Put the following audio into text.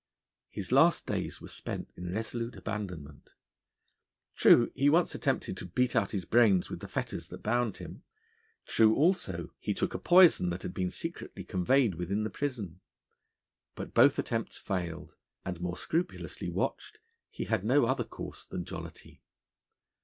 His last days were spent in resolute abandonment. True, he once attempted to beat out his brains with the fetters that bound him; true, also, he took a poison that had been secretly conveyed within the prison. But both attempts failed, and, more scrupulously watched, he had no other course than jollity.